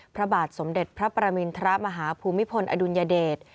พระบาทสมเด็จพระปรมินทรมาฮภูมิพลอดุลยเดช